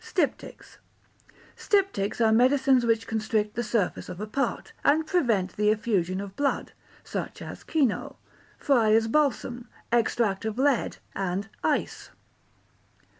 Styptics Styptics are medicines which constrict the surface of a part, and prevent the effusion of blood, such as kino, Friar's balsam, extract of lead, and ice.